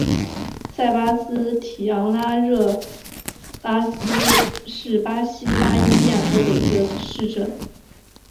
塞巴斯蒂昂拉兰热拉斯是巴西巴伊亚州的一个市镇。